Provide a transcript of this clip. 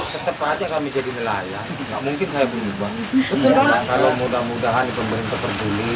tetap aja kami jadi nelayan nggak mungkin saya berubah kalau mudah mudahan pemerintah peduli